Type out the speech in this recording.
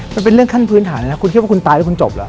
มันเป็นเรื่องขั้นพื้นฐานเลยนะคุณคิดว่าคุณตายแล้วคุณจบเหรอ